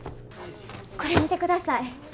これ見てください。